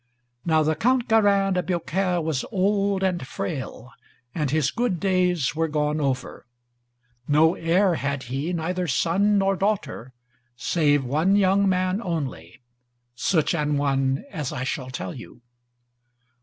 Now the Count Garin de Biaucaire was old and frail, and his good days were gone over. No heir had he, neither son nor daughter, save one young man only; such an one as I shall tell you.